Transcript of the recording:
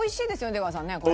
出川さんねこれ。